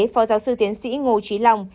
phó giáo sư tiến sĩ ngô trí long